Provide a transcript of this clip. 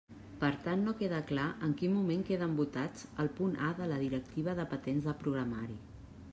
Per tant no queda clar en quin moment queden votats el punt A de la directiva de patents de programari.